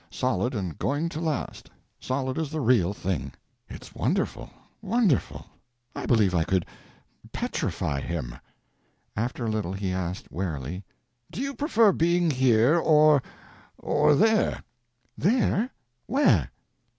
Solid and going to last, solid as the real thing." "It's wonderful—wonderful. I believe I could—petrify him." After a little he asked, warily "Do you prefer being here, or—or there?" "There? Where?"